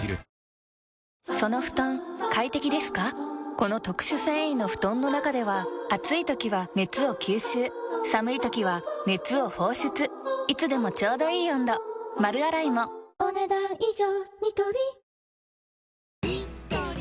この特殊繊維の布団の中では暑い時は熱を吸収寒い時は熱を放出いつでもちょうどいい温度丸洗いもお、ねだん以上。